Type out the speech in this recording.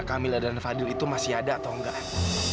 kamila dan fadil itu masih ada atau enggak